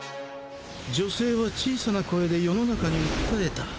女性は小さな声で世の中に訴えた！